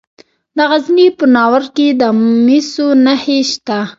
د غزني په ناور کې د مسو نښې شته.